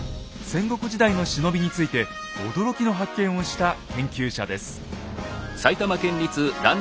戦国時代の忍びについて驚きの発見をした研究者です。